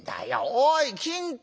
おい金太！